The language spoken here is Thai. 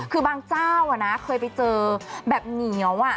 คือบางเจ้าเคยไปเจอแบบเหนียว